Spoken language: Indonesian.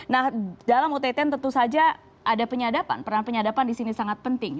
nah dalam ott tentu saja ada penyadapan peran penyadapan di sini sangat penting